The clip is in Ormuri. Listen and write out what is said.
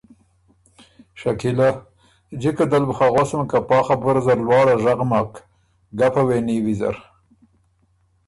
شکیلۀ ـــ ”جِکه دل بُو خه غؤسم که پا خبُره زر لواړه ژغ مک، ګپه وې نیو ویزر“